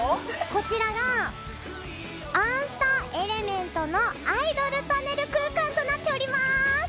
こちらが『あんスタ“エレメント”』のアイドルパネル空間となっております。